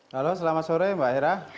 halo selamat sore mbak hera